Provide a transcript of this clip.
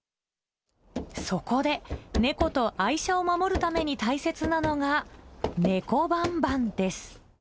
そこで、猫と愛車を守るために大切なのが猫バンバンです。